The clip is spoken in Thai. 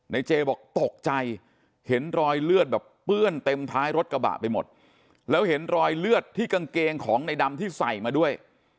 เจบอกตกใจเห็นรอยเลือดแบบเปื้อนเต็มท้ายรถกระบะไปหมดแล้วเห็นรอยเลือดที่กางเกงของในดำที่ใส่มาด้วย